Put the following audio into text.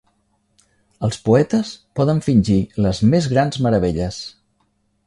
Els poetes poden fingir les més grans meravelles.